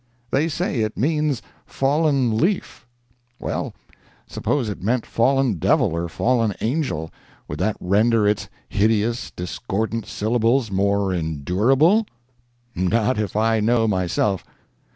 They say it means "Fallen Leaf"—well suppose it meant fallen devil or fallen angel, would that render its hideous, discordant syllables more endurable? Not if I know myself.